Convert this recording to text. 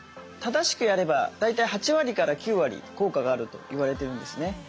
正しくやれば大体８割から９割効果があると言われてるんですね。